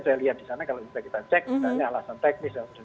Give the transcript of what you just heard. saya lihat di sana kalau bisa kita cek